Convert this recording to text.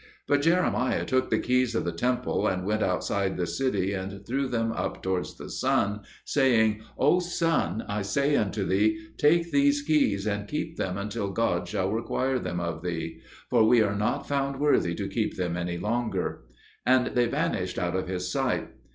But Jeremiah took the keys of the temple, and went outside the city and threw them up towards the sun, saying, "O sun, I say unto thee, take these keys and keep them until God shall require them of thee; for we are not found worthy to keep them any longer." And they vanished out of his sight.